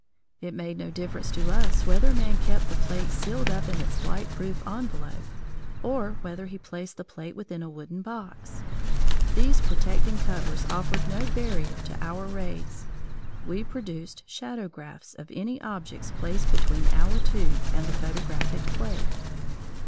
It made no difference to us whether man kept the plate sealed up in its light proof envelope, or whether he placed the plate within a wooden box. These protecting covers offered no barrier to our rays. We produced shadowgraphs of any objects placed between our tube and the photographic plate.